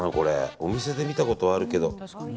お店で見たことあるけど。